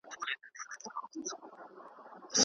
که چیرې د کلتور مطالعه مداومه سي، نو علم به لا ډیره وده وکړي.